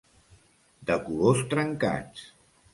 De colors trencats.